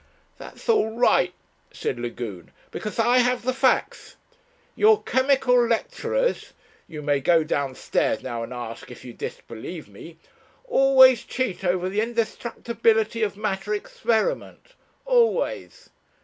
"That's all right," said Lagune, "because I have the facts. Your chemical lecturers you may go downstairs now and ask, if you disbelieve me always cheat over the indestructibility of matter experiment always.